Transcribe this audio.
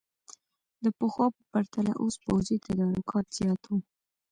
د پخوا په پرتله اوس پوځي تدارکات زیات وو.